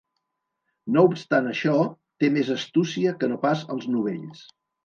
No obstant això, té més astúcia que no pas els novells.